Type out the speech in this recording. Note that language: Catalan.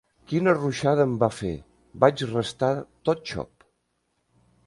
Quina ruixada em va fer: vaig restar tot xop.